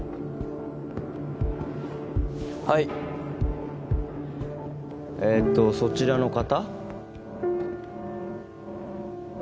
はいえーとそちらの方？